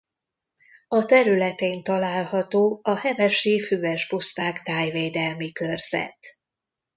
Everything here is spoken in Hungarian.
A területén található a Hevesi Füves Puszták Tájvédelmi Körzet.